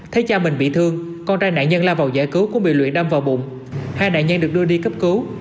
thấy cha mình bị thương con trai nạn nhân la vào giải cứu cũng bị luyện đâm vào bụng hai nạn nhân được đưa đi cấp cứu